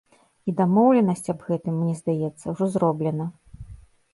І дамоўленасць аб гэтым, мне здаецца, ужо зроблена.